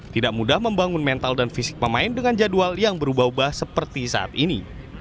tidak mudah membangun mental dan fisik pemain dengan jadwal yang berubah ubah seperti saat ini